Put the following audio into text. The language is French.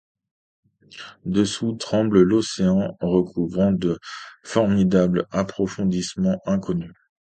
Dessous tremble l’océan, recouvrant de formidables approfondissements inconnus.